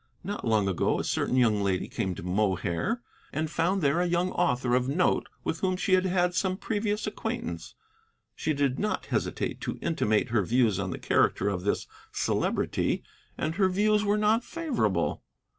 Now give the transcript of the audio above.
Not long ago a certain young lady came to Mohair and found there a young author of note with whom she had had some previous acquaintance. She did not hesitate to intimate her views on the character of this Celebrity, and her views were not favorable."